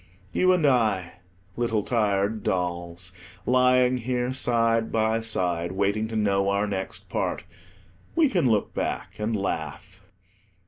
You and I, little tired dolls, lying here side by side, waiting to know our next part, we can look back and laugh.